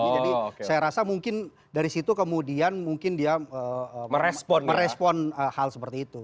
saya rasa mungkin dari situ kemudian mungkin dia merespon hal seperti itu